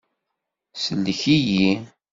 Sellek-iyi.